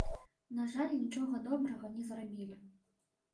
На жаль, нічога добрага не зрабілі.